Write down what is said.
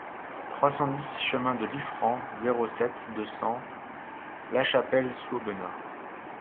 trois cent dix chemin de Liffrand, zéro sept, deux cents, Lachapelle-sous-Aubenas